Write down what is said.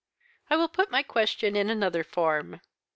"'I will put my question in another form.